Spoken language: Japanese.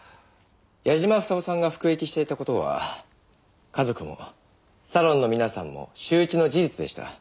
矢嶋房夫さんが服役していた事は家族もサロンの皆さんも周知の事実でした。